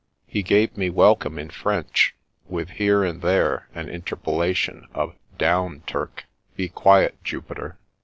He gave me welcc«ne in French, with here and there an interpellation of " Down, Turk," " Be quiet, Jupiter